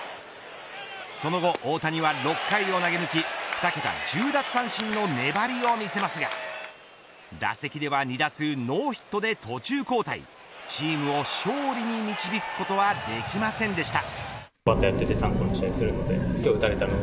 その後、大谷は６回を投げ抜き２桁１０奪三振の粘りを見せますが打席では２打数ノーヒットで途中交代チームを勝利に導くことはできませんでした。